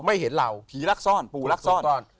ไม่เห็นเราผีรักซ่อนปู่รักซ่อน